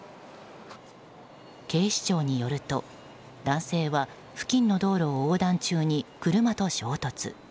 警視庁によると男性は、付近の道路を横断中に車と衝突。